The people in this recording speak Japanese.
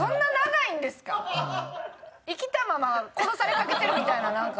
生きたまま殺されかけてるみたいななんか。